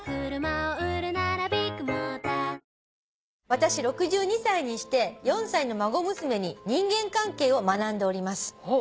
「私６２歳にして４歳の孫娘に人間関係を学んでおります」